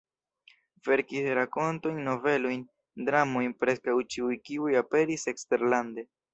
Verkis rakontojn, novelojn, dramojn, preskaŭ ĉiuj de kiuj aperis eksterlande.